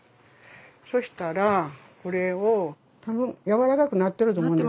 そしたらこれを多分やわらかくなってると思いますね。